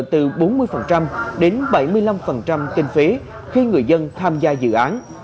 từ bốn mươi đến bảy mươi năm kinh phí khi người dân tham gia dự án